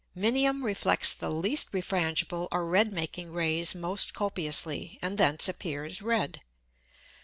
Minium reflects the least refrangible or red making Rays most copiously, and thence appears red.